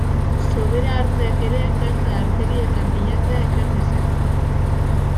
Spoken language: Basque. Sobera hartzeak ere gantza arterietan pilatzea ekar dezake.